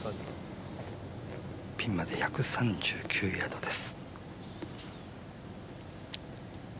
ピンまで１３９ヤードです。